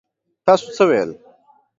تاسو څه ويل؟